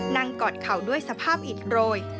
นั่งกอดเข่าด้วยสภาพอิตร้อย